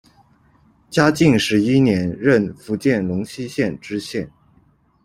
嘉靖十一年任福建龙溪县知县。